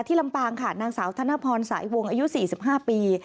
ลำปางค่ะนางสาวธนพรสายวงอายุ๔๕ปี